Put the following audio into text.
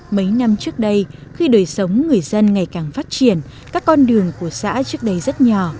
mấy năm trước đây khi đời sống người dân ngày càng phát triển các con đường của xã trước đây rất nhỏ